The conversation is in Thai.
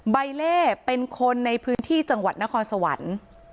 ใบเล่เป็นคนในพื้นที่จังหวัดนครสวรรค์